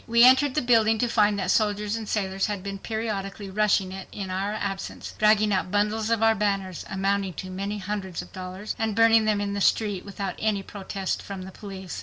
We entered the building to find that soldiers and sailors had been periodically rushing it in our absence, dragging out bundles of our banners, amounting to many hundreds of dollars, and burning them in the street, without any protest from the police.